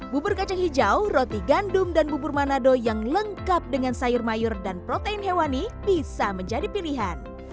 bubur kacang hijau roti gandum dan bubur manado yang lengkap dengan sayur mayur dan protein hewani bisa menjadi pilihan